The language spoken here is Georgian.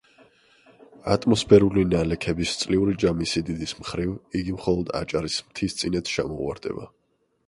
ატმოსფერული ნალექების წლიური ჯამის სიდიდის მხრივ, იგი მხოლოდ აჭარის მთისწინეთს ჩამოუვარდება.